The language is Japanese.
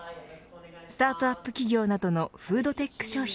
スタートアップ企業などのフードテック商品